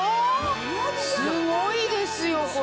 すごいですよこれ。